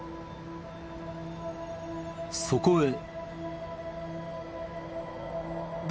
そこへ。